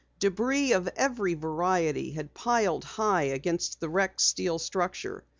Debris of every variety had piled high against the wrecked steel structure.